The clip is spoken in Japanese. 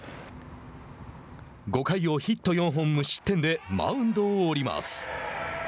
５回をヒット４本無失点でマウンドを降ります。